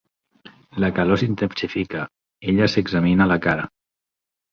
La calor s'intensifica; ella s'examina la cara.